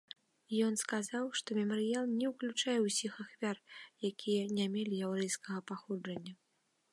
Ён сказаў, што мемарыял не ўключае ўсіх ахвяр, якія не мелі яўрэйскага паходжання.